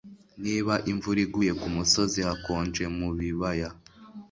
Niba imvura iguye kumusozi hakonje mubibaya